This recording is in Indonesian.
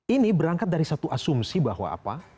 ini berangkat dari satu asumsi bahwa apa